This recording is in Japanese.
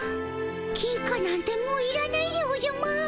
金貨なんてもういらないでおじゃマーン。